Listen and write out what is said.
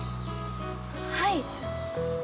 はい。